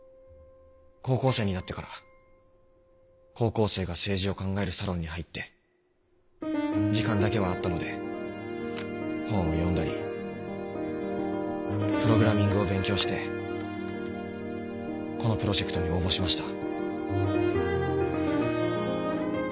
高校生になってから高校生が政治を考えるサロンに入って時間だけはあったので本を読んだりプログラミングを勉強してこのプロジェクトに応募しました。